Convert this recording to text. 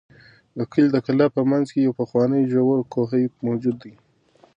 د کلي د کلا په منځ کې یو پخوانی ژور کوهی موجود دی.